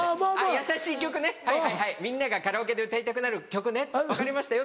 「やさしい曲ねはいはいはいみんながカラオケで歌いたくなる曲ね分かりましたよ」